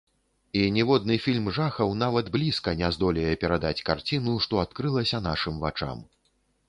І ніводны фільм жахаў нават блізка не здолее перадаць карціну, што адкрылася нашым вачам.